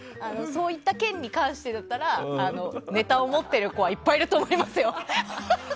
そういった件に関してだったらネタを持っている子はいっぱいいると思いますよ。